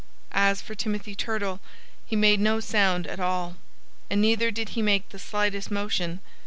As for Timothy Turtle, he made no sound at all. And neither did he make the slightest motion.